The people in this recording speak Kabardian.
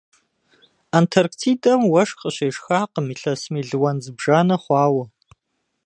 Антарктидэм уэшх къыщешхакъым илъэс мелуан зыбжанэ хъуауэ.